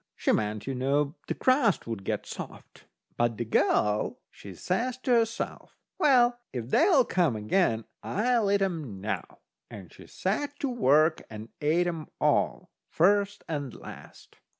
She meant, you know, the crust would get soft. But the girl, she says to herself: "Well, if they'll come again, I'll eat 'em now." And she set to work and ate 'em all, first and last.